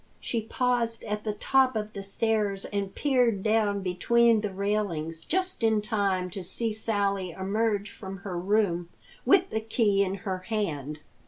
She paused at the top of the stairs and peered down between the railings just in time to see Sally emerge from her room with the key in her hand.